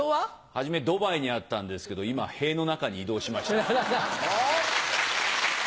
初めドバイにあったんですけど今塀の中に移動しました。